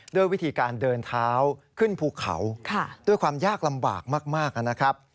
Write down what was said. ด้วยวิธีการเดินเท้าขึ้นภูเขาด้วยความยากลำบากมากนะครับ